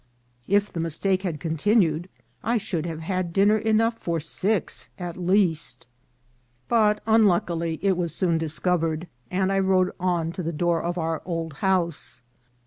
If the mistake had continued I should have had dinner enough for six at least ; but, unluckily, it INCIDENTS OF TRAVEL. was soon discovered, and I rode on to the door of our old house.